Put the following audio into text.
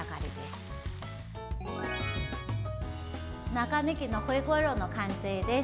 長ねぎのホイコーローの完成です。